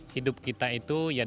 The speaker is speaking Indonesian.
hidup kita itu ya dada